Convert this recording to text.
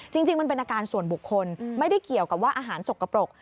จริงมันเป็นอาการส่วนบุคคลไม่ได้เกี่ยวกับว่าอาหารสกปรก